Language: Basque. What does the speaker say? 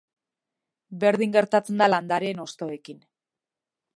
Berdin gertatzen da landareen hostoekin.